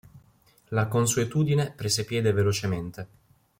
La consuetudine prese piede velocemente.